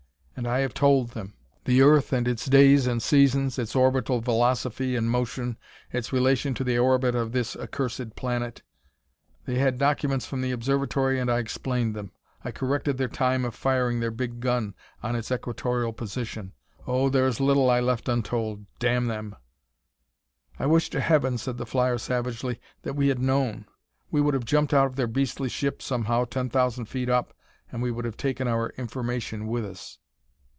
"And I have told them the earth, and its days and seasons its orbital velocity and motion its relation to the orbit of this accursed planet. They had documents from the observatory and I explained them; I corrected their time of firing their big gun on its equatorial position. Oh, there is little I left untold damn them!" "I wish to heaven," said the flyer savagely, "that we had known; we would have jumped out of their beastly ship somehow ten thousand feet up, and we would have taken our information with us."